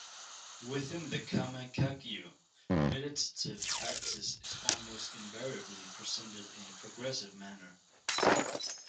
Within the Karma Kagyu, meditative practice is almost invariably presented in a progressive manner.